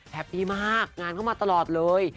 ดีมากงานเข้ามาตลอดเลย